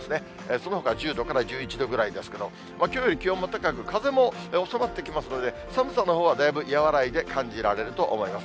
そのほか１０度から１１度ぐらいですけれども、きょうより気温も高く、風も収まってきますので、寒さのほうはだいぶ和らいで感じられると思います。